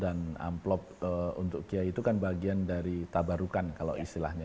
dan amplok untuk kiai itu kan bagian dari tabarukan kalau istilahnya